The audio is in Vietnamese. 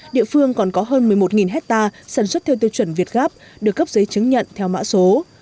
địa phương còn có hơn một mươi một hectare sản xuất theo tiêu chuẩn việt gáp được cấp giấy chứng nhận theo mã số